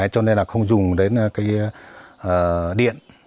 cho nên là không dùng đến cái điện